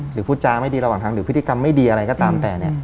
หรือพูดจาไม่ดีระหว่างทางหรือพฤติกรรมไม่ดีอะไรก็ตามแต่เนี่ย